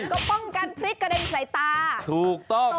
ก็ป้องกันพริกกระเด็นใส่ตาถูกต้อง